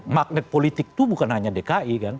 magnet politik itu bukan hanya dki kan